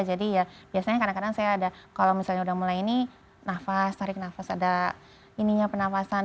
jadi ya biasanya kadang kadang saya ada kalau misalnya sudah mulai ini nafas tarik nafas ada ininya penafasan